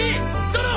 ゾロ！